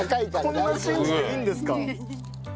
こんなに信じていいんですか？